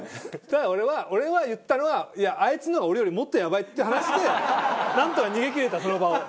ただ俺は俺は言ったのは「あいつの方が俺よりもっとやばい」っていう話でなんとか逃げきれたその場を。